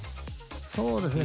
そうですね。